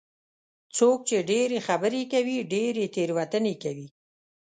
څوک چې ډېرې خبرې کوي، ډېرې تېروتنې کوي.